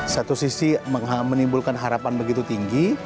satu sisi menimbulkan harapan begitu tinggi